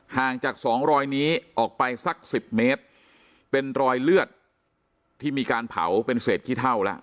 ห่างจากสองรอยนี้ออกไปสักสิบเมตรเป็นรอยเลือดที่มีการเผาเป็นเศษขี้เท่าแล้ว